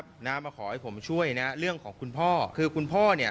บุ่งน้องมาขอให้ช่วยเรื่องของคุณพ่อกุณพ่อ